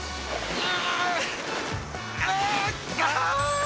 うわ！